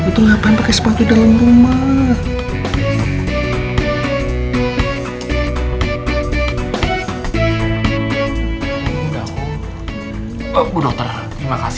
itu ngapain pakai sepatu dalam rumah